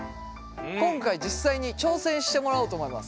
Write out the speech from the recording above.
今回実際に挑戦してもらおうと思います。